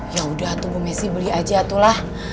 ya udah tuh bu messi beli aja itulah